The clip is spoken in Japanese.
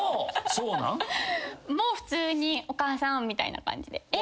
普通にお母さんみたいな感じで。